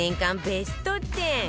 ベスト１０